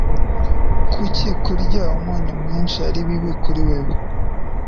Kuki kurya umunyu mwinshi ari bibi kuri wewe?